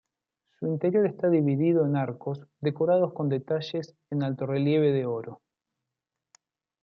Su interior está dividido en arcos decorados con detalles en alto relieve de oro.